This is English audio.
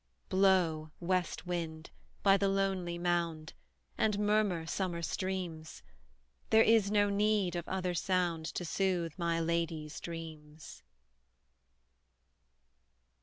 Blow, west wind, by the lonely mound, And murmur, summer streams There is no need of other sound To soothe my lady's dreams.